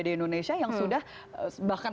di indonesia yang sudah bahkan